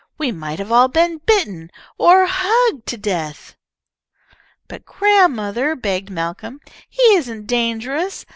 We might have all been bitten, or hugged to death!" "But, grandmother," begged Malcolm, "he isn't dangerous.